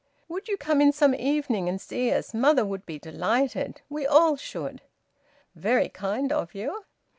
"Would you come in some evening and see us? Mother would be delighted. We all should." "Very kind of you."